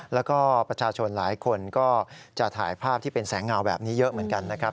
แล้วก็ประชาชนหลายคนก็จะถ่ายภาพที่เป็นแสงเงาแบบนี้เยอะเหมือนกันนะครับ